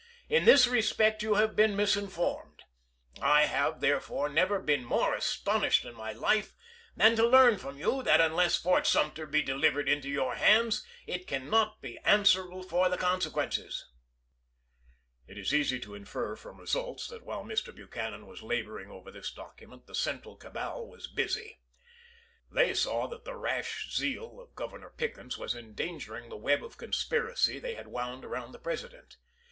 In this respect you have been misinformed — I have, therefore, never been more astonished in my life, than to learn from you that unless Buchanan." Fort Sumter be delivered into your hands, you cannot be pp. 384, 385. answerable for the consequences. It is easy to infer from results, that while Mr. Buchanan was laboring over this document the central cabal was busy. They saw that the rash zeal of Governor Pickens was endangering the web of conspiracy they had wound around the Presi dent.